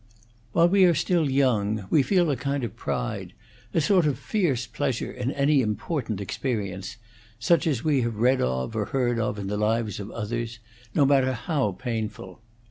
While we are still young we feel a kind of pride, a sort of fierce pleasure, in any important experience, such as we have read of or heard of in the lives of others, no matter how painful.